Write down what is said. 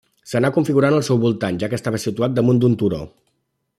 S'anà configurant al seu voltant, ja que estava situat damunt d'un turó.